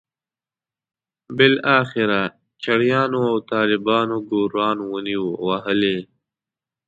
بالاخره چړیانو او طالبانو ګوروان ونیو او وهل یې.